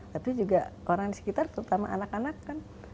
tapi juga orang di sekitar terutama anak anak kan